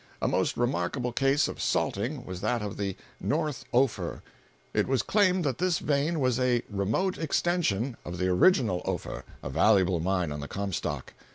A most remarkable case of "salting" was that of the "North Ophir." It was claimed that this vein was a "remote extension" of the original "Ophir," a valuable mine on the "Comstock."